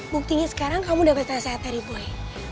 buktinya sekarang kamu udah berasa sehat tadi boy